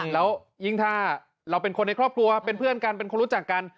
แล้วยิ่งถ้าเราเป็นคนในครอบครัวเป็นเพื่อนกันเป็นคนรู้จักกัน